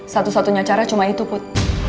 satu satunya cara cuma itu put